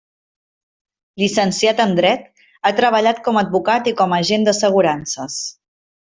Llicenciat en dret, ha treballat com a advocat i com a agent d'assegurances.